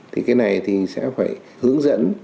thì cái này thì sẽ phải hướng dẫn